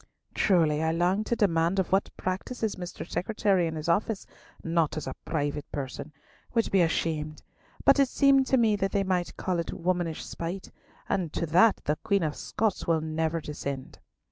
"Truly I longed to demand of what practices Mr. Secretary in his office,—not as a private person—would be ashamed; but it seemed to me that they might call it womanish spite, and to that the Queen of Scots will never descend!"